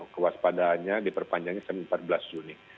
kewaspadaannya diperpanjangnya sampai empat belas juni